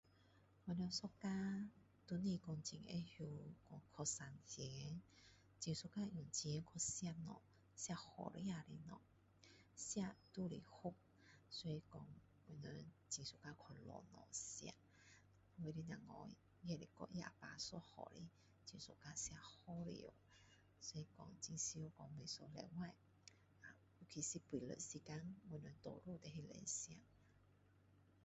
我们一家都不是说很知道去省钱很喜欢用钱去吃东西吃好吃的东西吃就是福我们很喜欢去找东西吃我的小孩也是跟啊爸一样很喜欢吃好料是说很常说每一个礼拜尤其是星期六时间我们多数去外面吃